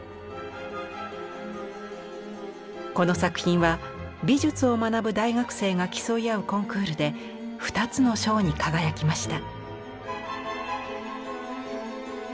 この作品は美術を学ぶ大学生が競い合うコンクールで２つの賞に輝きました。